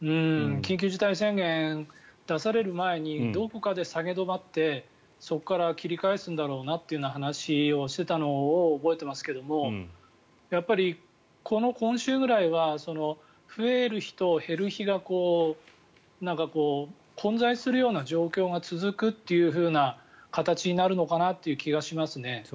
緊急事態宣言出される前にどこかで下げ止まってそこから切り返すんだろうなという話をしていたのを覚えていますがやっぱり今週ぐらいは増える日と減る日が混在するような状況が続くという形になるのかなという気がしますね。